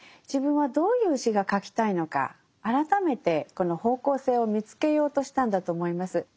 自分はどういう詩が書きたいのか改めてこの方向性を見つけようとしたんだと思います。